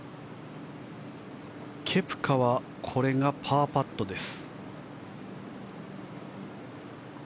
ケプカはこれがパーパットです。